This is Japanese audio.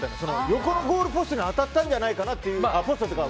横のゴールポストに当たったんじゃないかなと。